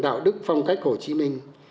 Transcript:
đạo đức phong cách hồ chí minh